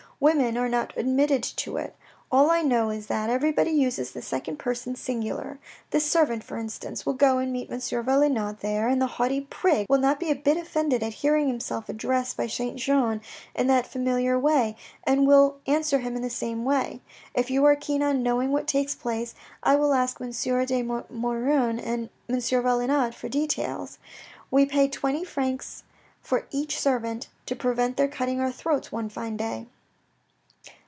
Women are not admitted to it. All I know is, that everybody uses the second person singular. This servant, for instance, will go and meet M. Valenod there, and the haughty prig will not be a bit offended at hearing himself addressed by Saint Jean in that familiar way, and will answer him in the same way. If you are keen on knowing what takes place, I will ask M. de Maugiron and M. Valenod for details. We pay twenty francs for each servant, to prevent their cutting our throats one fine day.